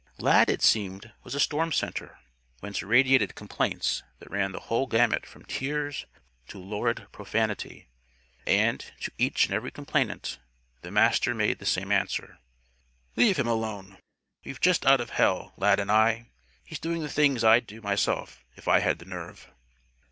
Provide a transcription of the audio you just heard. Lad, it seemed, was a storm center, whence radiated complaints that ran the whole gamut from tears to lurid profanity; and, to each and every complainant, the Master made the same answer: "Leave him alone. We're just out of hell Lad and I! He's doing the things I'd do myself, if I had the nerve."